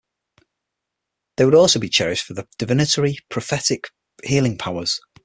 They would also be cherished for their divinatory, prophetic and healing powers.